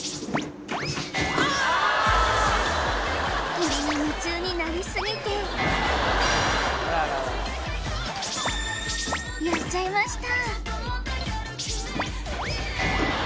鳥に夢中になりすぎてやっちゃいました